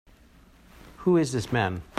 Who is this man?